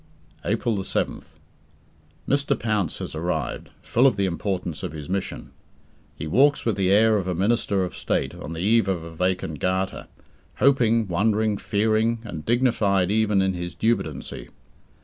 April 7th. Mr. Pounce has arrived full of the importance of his mission. He walks with the air of a minister of state on the eve of a vacant garter, hoping, wondering, fearing, and dignified even in his dubitancy.